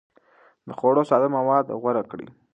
د خوړو ساده مواد غوره کړئ.